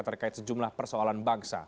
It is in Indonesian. terkait sejumlah persoalan bangsa